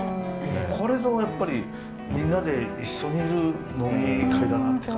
これぞやっぱりみんなで一緒にいる飲み会だなって感じがしてうれしかった。